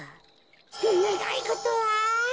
ねがいごとは？